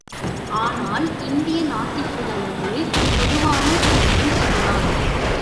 ஆனால் இந்திய நாத்திகர்களது பொதுவான தருக்கம் இதுதான்.